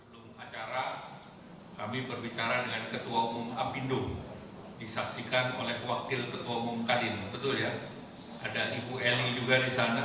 di sana ada pak ristadi dan pak yoris